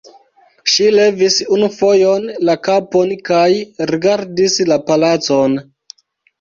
Ŝi levis unu fojon la kapon kaj rigardis la palacon.